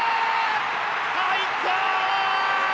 入った！